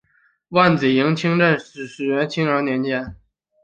万子营清真寺始建于清朝乾隆年间。